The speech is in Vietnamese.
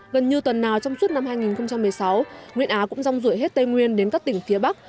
gần như tuần nào trong suốt năm hai nghìn một mươi sáu nguyễn á cũng rong rủi hết tây nguyên đến các tỉnh phía bắc